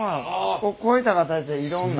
こういった形でいろんな。